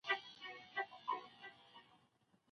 طلاق مختلفي مرتبې لري.